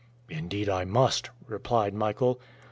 "Indeed I must," replied Michael.